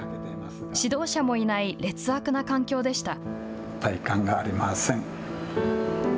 指導者もいない劣悪な環境でした。